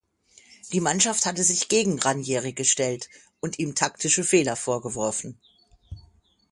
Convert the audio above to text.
Die Mannschaft hatte sich gegen Ranieri gestellt und ihm taktische Fehler vorgeworfen.